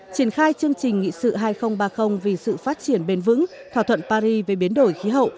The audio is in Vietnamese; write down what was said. triển khai chương trình nghị sự hai nghìn ba mươi vì sự phát triển bền vững thỏa thuận paris về biến đổi khí hậu